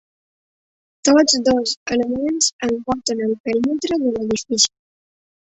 Tots dos elements envolten el perímetre de l'edifici.